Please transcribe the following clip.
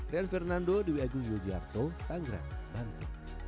dan fernando di wg yogyakarta tanggara bantu